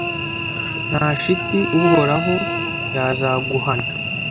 nta shiti, Uhoraho yazaguhana